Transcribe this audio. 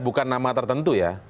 bukan nama tertentu ya